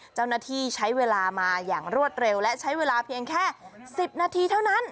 เจ้าหน้าที่ใช้เวลามาอย่างรวดเร็วและใช้เวลาเพียงแค่๑๐นาทีเท่านั้น